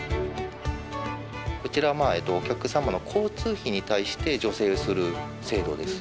こちら、お客様の交通費に対して助成する制度です。